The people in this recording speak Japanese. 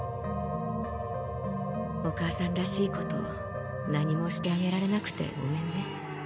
お母さんらしいこと何もしてあげられなくてごめんね。